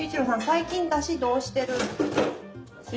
最近だしどうしてる？だし？